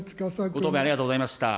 ご答弁ありがとうございました。